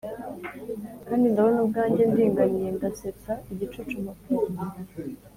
kandi ndabona ubwanjye, ndinganiye, ndasetsa, igicucu-mpapuro